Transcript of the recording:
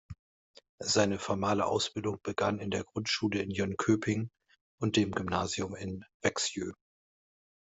Seine formale Ausbildung begann in der Grundschule in Jönköping und dem Gymnasium in Växjö.